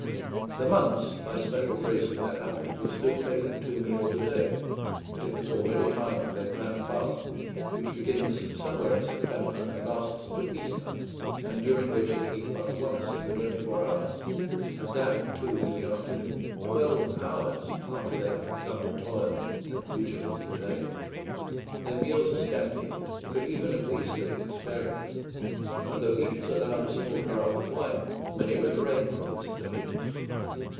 The monks, by special grace of their Abbot, were still taking two meals a day; but it was already time for their grand fast, which begins somewhere in September and lasts till Easter, and during which they eat but once in the twenty four hours, and that at two in the afternoon, twelve hours after they have begun the toil and vigil of the day. Their meals are scanty, but even of these they eat sparingly; and though each is allowed a small carafe of wine, many refrain from this indulgence.